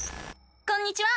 こんにちは！